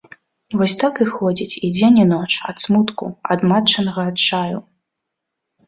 Вось так і ходзіць і дзень і ноч, ад смутку, ад матчынага адчаю.